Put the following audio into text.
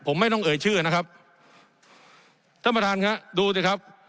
ผมไม่ต้องเอ่ยชื่อนะครับท่านประธานครับดูสิครับ